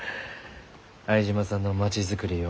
相島さんの「町づくり」ゆう